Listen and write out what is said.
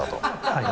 はい。